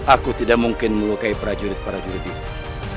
aku tidak mungkin melukai prajurit prajurit itu